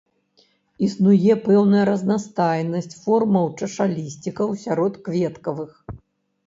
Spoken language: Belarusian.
Існуе пэўная разнастайнасць формаў чашалісцікаў сярод кветкавых.